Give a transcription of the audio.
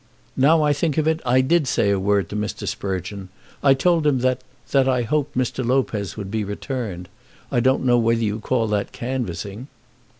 "Now I think of it, I did say a word to Mr. Sprugeon. I told him that that I hoped Mr. Lopez would be returned. I don't know whether you call that canvassing."